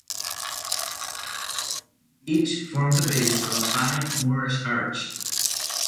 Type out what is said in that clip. Each formed the base of a fine Moorish Arch.